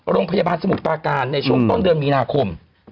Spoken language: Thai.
โรงพยาบาลสมุทรปาการในช่วงต้นเดือนมีนาคม